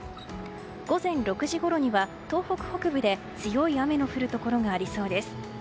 午前６時ごろには東北北部で強い雨の降るところがありそうです。